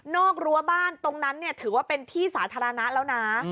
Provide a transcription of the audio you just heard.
กรั้วบ้านตรงนั้นเนี่ยถือว่าเป็นที่สาธารณะแล้วนะ